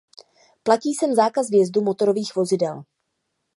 Platí sem zákaz vjezdu motorových vozidel.